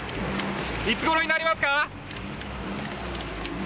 いつ頃になりますか？